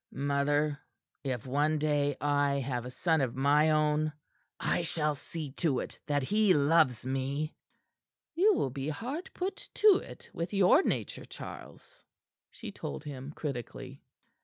"Mother, if one day I have a son of my own, I shall see to it that he loves me." "You will be hard put to it, with your nature, Charles," she told him critically.